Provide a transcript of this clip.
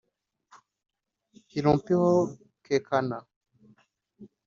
Hlompho Kekana (c)